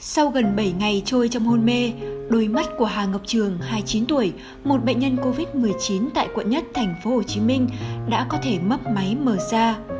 sau gần bảy ngày trôi trong hôn mê đôi mắt của hà ngọc trường hai mươi chín tuổi một bệnh nhân covid một mươi chín tại quận nhất thành phố hồ chí minh đã có thể mấp máy mở ra